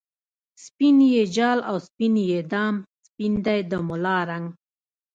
سپین یی جال او سپین یی دام ، سپین دی د ملا رنګ